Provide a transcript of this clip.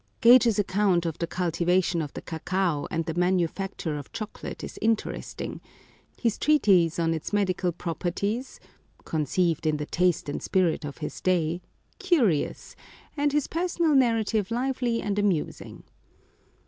Gage's account of the cultivation of the cacao and the manufacture of chocolate is interesting, his treatise on its medical properties — conceived in the taste and spirit of his day — curious, and his personal narrative lively and amusing.